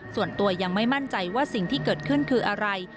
ส่วนตัวยังไม่มั่นใจว่าสิ่งที่เกิดขึ้นคืออะไร